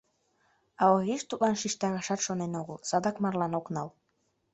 А Ориш тудлан шижтарашат шонен огыл: садак марлан ок нал.